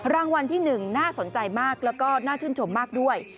รางวัลที่๑น่าสนใจมากแล้วก็น่าชื่นชมมากด้วย